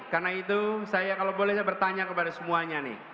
karena itu saya kalau boleh bertanya kepada semuanya nih